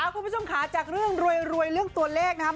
คุณผู้ชมค่ะจากเรื่องรวยเรื่องตัวเลขนะครับ